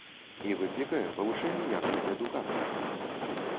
І выклікае павышэнне якасці адукацыі.